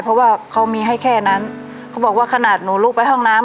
เพราะว่าเขามีให้แค่นั้นเขาบอกว่าขนาดหนูลุกไปห้องน้ำ